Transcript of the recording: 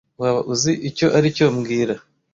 Waba uzi icyo aricyo mbwira